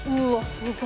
すごい。